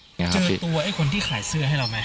เจอตัวไอ้คนที่ขายเสื้อให้เราไหม